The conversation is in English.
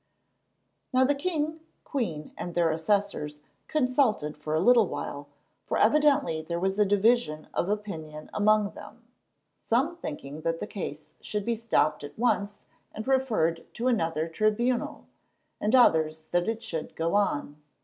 Now the king, queen, and their assessors consulted for a little while, for evidently there was a division of opinion among them, some thinking that the case should be stopped at once and referred to another tribunal, and others that it should go on.